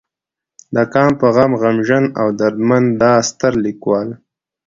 د قام پۀ غم غمژن او درمند دا ستر ليکوال